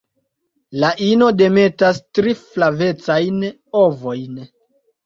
La ino demetas tri flavecajn ovojn.